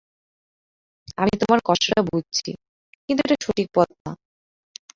আমি তোমার কষ্টটা বুঝছি, কিন্তু এটা সঠিক পথ না।